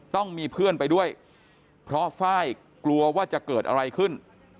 ต้องมีเพื่อนไปด้วยเพราะไฟล์กลัวว่าจะเกิดอะไรขึ้น